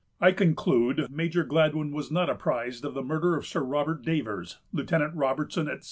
I conclude Major Gladwyn was not apprised of the murder of Sir Robert Davers, Lieutenant Robertson, etc.